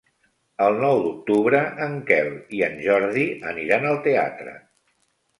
El nou d'octubre en Quel i en Jordi aniran al teatre.